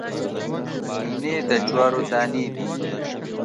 نینې د جوارو دانې دي